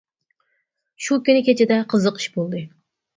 شۇ كۈنى كېچىدە قىزىق ئىش بولدى.